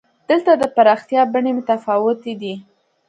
دلته د پراختیا بڼې متفاوتې دي.